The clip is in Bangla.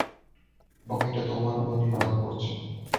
বাকিটা তোমার উপর নির্ভর করছে।